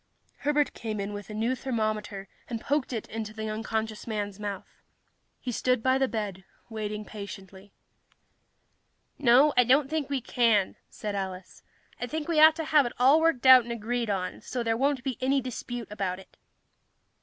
Herbert came in with a new thermometer and poked it into the unconscious man's mouth. He stood by the bed, waiting patiently. "No, I don't think we can," said Alice. "I think we ought to have it all worked out and agreed on, so there won't be any dispute about it."